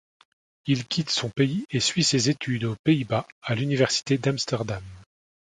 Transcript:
Il quitte son pays et suit ses études aux Pays-Bas, à l'Université d'Amsterdam.